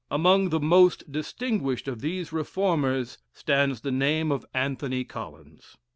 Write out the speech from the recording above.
Amongst the most distinguished of these reformers, stands the name of Anthony Collins.